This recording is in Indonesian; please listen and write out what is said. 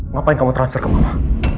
ngapain kamu transfer ke mama